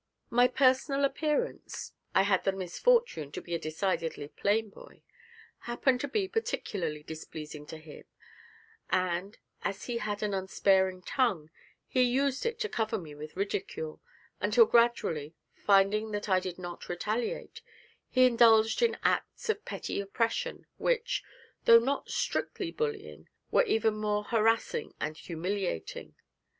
My personal appearance I had the misfortune to be a decidedly plain boy happened to be particularly displeasing to him, and, as he had an unsparing tongue, he used it to cover me with ridicule, until gradually, finding that I did not retaliate, he indulged in acts of petty oppression which, though not strictly bullying, were even more harassing and humiliating.